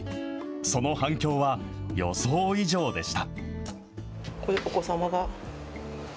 その反響は予想以上でした。